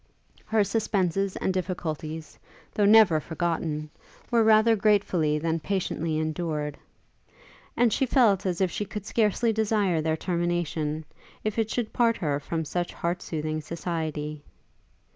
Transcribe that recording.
Her suspenses and difficulties, though never forgotten, were rather gratefully than patiently endured; and she felt as if she could scarcely desire their termination, if it should part her from such heart soothing society.